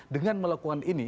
dengan melakukan ini